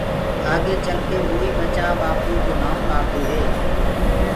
آگي چل ڪي ووئيٚ ٻچآ ٻآپوو ڪو نآئو ڪآڙدوئي